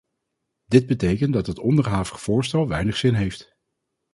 Dit betekent dat het onderhavige voorstel weinig zin heeft.